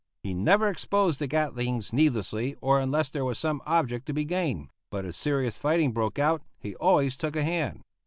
He never exposed the Gatlings needlessly or unless there was some object to be gained, but if serious fighting broke out, he always took a hand.